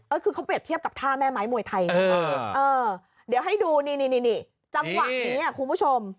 คือเขาเปรียบเทียบกับท่าแม่ไม้มวยไทยนะคะเดี๋ยวให้ดูนี่จังหวะนี้คุณผู้ชม